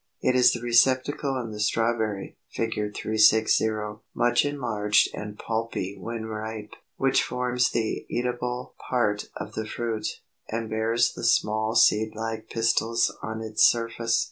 It is the receptacle in the Strawberry (Fig. 360), much enlarged and pulpy when ripe, which forms the eatable part of the fruit, and bears the small seed like pistils on its surface.